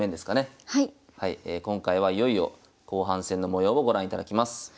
今回はいよいよ後半戦の模様をご覧いただきます。